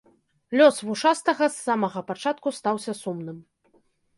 Лёс вушастага з самага пачатку стаўся сумным.